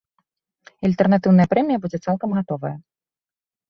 І альтэрнатыўная прэмія будзе цалкам гатовая.